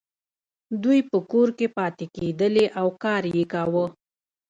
دوی په کور کې پاتې کیدلې او کار یې کاوه.